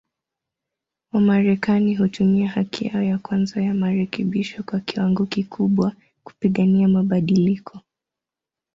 Wamarekani hutumia haki yao ya kwanza ya marekebisho kwa kiwango kikubwa, kupigania mabadiliko.